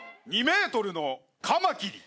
２ｍのカマキリ。